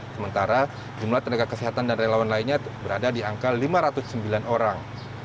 sementara jumlah tenaga kesehatan dan relawan lainnya berada di angka lima ratus sembilan orang